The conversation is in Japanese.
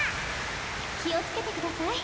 きをつけてください。